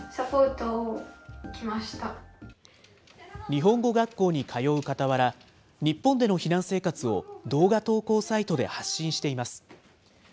日本語学校に通うかたわら、日本での避難生活を動画投稿サイトで発信しています。